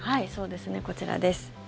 そうですね、こちらです。